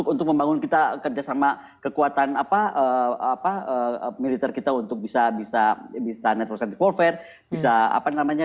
untuk membangun kita kerjasama kekuatan militer kita untuk bisa network scientific warfare